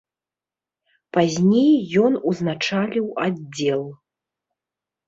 Пазней ён узначаліў аддзел.